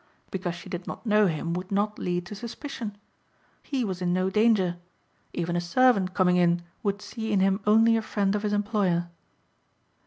Because she did not know him would not lead to suspicion. He was in no danger. Even a servant coming in would see in him only a friend of his employer.